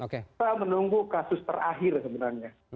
kita menunggu kasus terakhir sebenarnya